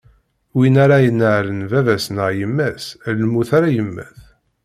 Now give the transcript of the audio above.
Win ara ineɛlen baba-s neɣ yemma-s, lmut ara yemmet.